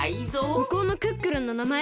むこうのクックルンのなまえ。